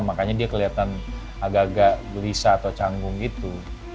makanya dia kelihatan agak agak gelisah atau canggung gitu